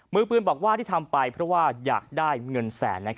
มือปืนบอกว่าที่ทำไปเพราะว่าอยากได้เงินแสน